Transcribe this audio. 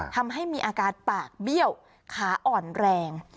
ทำให้มีอาการปากเบี้ยวขาอ่อนแรง